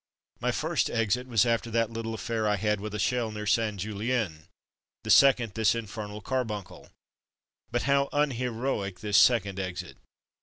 My first exit was after that little aff^air I had with a shell near St. Julien — the second, this infernal car buncle. But how unheroic this second exit!